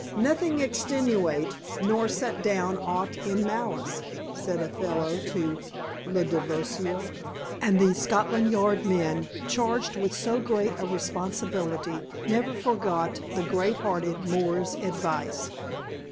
"Nothing extenuate, nor set down aught in malice," said Othello to Lodovico, and these Scotland Yard men, charged with so great a responsibility, never forgot the great hearted Moor's advice.